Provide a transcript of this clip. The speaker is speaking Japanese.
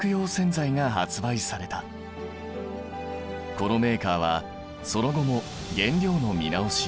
このメーカーはその後も原料の見直し